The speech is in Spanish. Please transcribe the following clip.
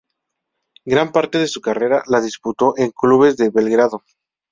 Gran parte de su carrera la disputó en clubes de Belgrado.